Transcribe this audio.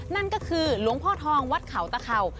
นั่นก็คือหลวงพ่อทองวัดเขาตะเข่า